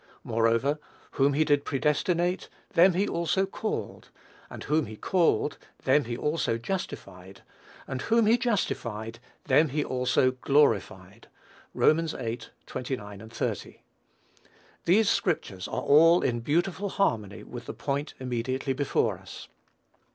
Moreover, whom he did predestinate, them he also called; and whom he called, them he also justified; and whom he justified, them he also glorified." (Rom. viii. 29, 30.) These scriptures are all in beautiful harmony with the point immediately before us.